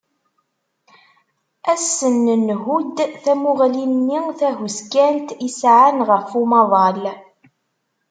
Ad sen-nhudd tamuɣli-nni tahuskayt i sɛan ɣef umaḍal.